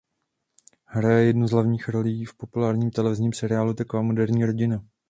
Hraje jednu z hlavních rolí v populárním televizním seriálu Taková moderní rodinka.